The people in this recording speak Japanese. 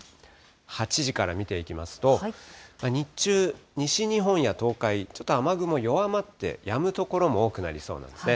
８時から見ていきますと、日中、西日本や東海、ちょっと雨雲弱まってやむ所も多くなりそうなんですね。